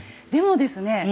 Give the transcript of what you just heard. でもですね